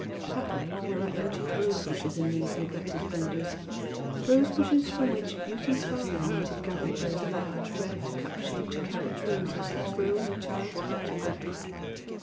Happily there are ancient rose bushes in these neglected borders, — rose bushes from which Beauty's father might have gathered those large red cup shaped cabbage roses that grow in a child's picture book.